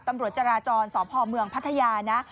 ตำรวจจราจรสพเมืองพัทยานะ